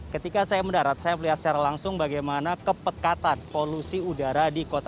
ketika saya mendarat saya melihat secara langsung bagaimana kepekatan polusi udara di kota